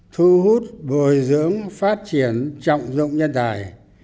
thu hút bồi dưỡng phát triển trọng dụng nhân tài